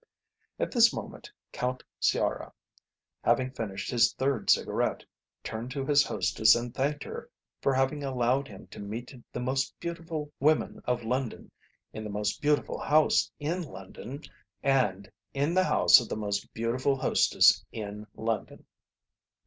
At this moment Count Sciarra, having finished his third cigarette, turned to his hostess and thanked her for having allowed him to meet the most beautiful women of London in the most beautiful house in London, and in the house of the most beautiful hostess in London.